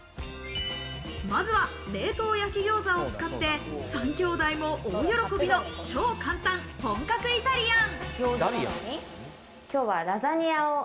まずは冷凍焼餃子を使って３兄弟も大喜びの超簡単、本格イタリアン。